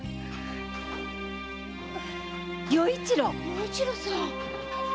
与一呂さん！